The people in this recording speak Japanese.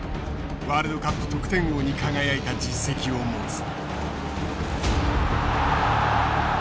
ワールドカップ得点王に輝いた実績を持つ。